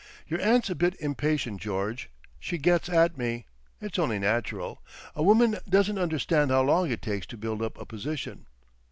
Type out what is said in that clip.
"Your aunt's a bit impatient, George. She gets at me. It's only natural.... A woman doesn't understand how long it takes to build up a position.